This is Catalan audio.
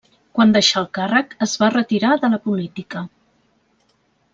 Quan deixà el càrrec es va retirar de la política.